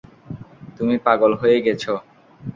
তুমি পাগল হয়ে গেছো।